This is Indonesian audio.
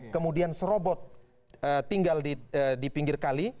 kemudian serobot tinggal di pinggir kali